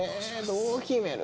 どう決める？